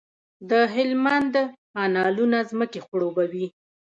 د هلمند کانالونه ځمکې خړوبوي.